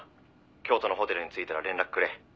「京都のホテルに着いたら連絡くれ」